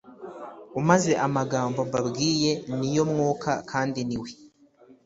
umaze amagambo mbabwiye ni yo mwuka kandi niwe